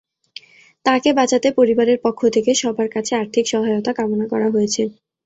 তাঁকে বাঁচাতে পরিবারের পক্ষ থেকে সবার কাছে আর্থিক সহায়তা কামনা করা হয়েছে।